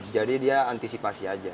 jadi dia antisipasi aja